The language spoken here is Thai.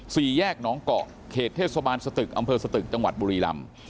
สี่แยกหนองเกาะเขตเทศบาลสตึกอำเภอสตึกจังหวัดบุรีลำ